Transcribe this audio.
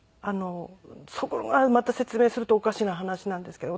そこがまた説明するとおかしな話なんですけど。